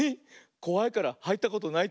こわいからはいったことないって？